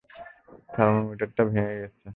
থার্মোমিটারটা ভেঙে গেছে!